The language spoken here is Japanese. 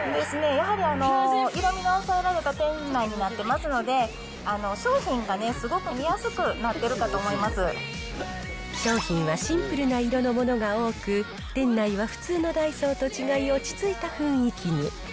やはり色味の抑えられた店内になってますので、商品がね、すごく商品はシンプルな色のものが多く、店内は普通のダイソーと違い、落ち着いた雰囲気に。